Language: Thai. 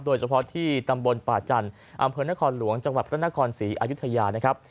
โดยเฉพาะที่ตำบลป่าจันทร์อำเภอนครหลวงจังหวัดพระนครศรีอายุทยานะครับ